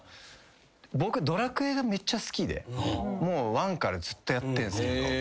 Ⅰからずっとやってんすけど。